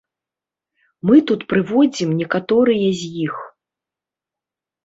Мы тут прыводзім некаторыя з іх.